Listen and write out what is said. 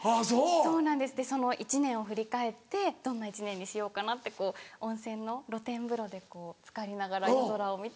そうなんです一年を振り返ってどんな一年にしようかなって温泉の露天風呂でこうつかりながら夜空を見て。